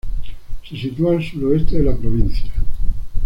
Se sitúa al suroeste de la provincia.